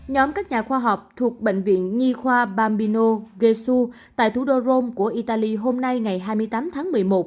nhóm các nhà khoa học thuộc bệnh viện nhi khoa bambino ghesu tại thủ đô rome của italy hôm nay ngày hai mươi tám tháng một mươi một